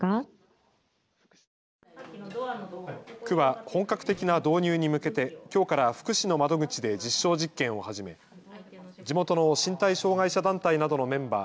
区は本格的な導入に向けてきょうから福祉の窓口で実証実験を始め地元の身体障害者団体などのメンバー